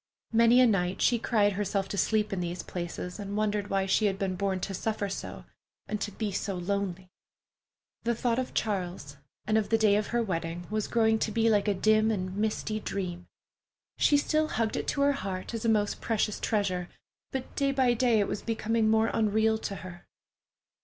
Many a night she cried herself to sleep in these places, and wondered why she had been born to suffer so, and to be so lonely. The thought of Charles, and of the day of her wedding, was growing to be like a dim and misty dream. She still hugged it to her heart, as a most precious treasure, but day by day it was becoming more unreal to her.